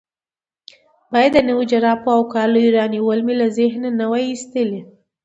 باید د نویو جرابو او کالو رانیول مې له ذهنه نه وای ایستلي.